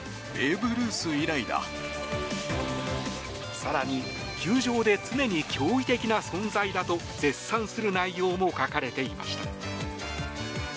更に球場で常に驚異的な存在だと絶賛する内容も書かれていました。